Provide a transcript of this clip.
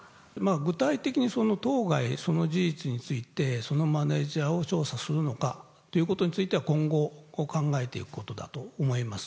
具体的にその当該、その事実について、そのマネージャーを調査するのかということについては、今後、考えていくことだと思います。